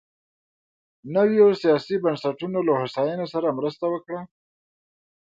نویو سیاسي بنسټونو له هوساینې سره مرسته وکړه.